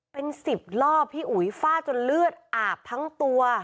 เป็นสิบรอบพี่อุ๋ยฟาดจนเลือดอาบทั้งตัว